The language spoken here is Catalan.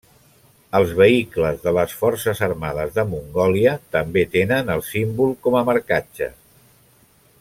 Els vehicles de les Forces Armades de Mongòlia també tenen el símbol com a marcatge.